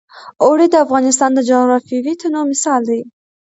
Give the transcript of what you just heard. اوړي د افغانستان د جغرافیوي تنوع مثال دی.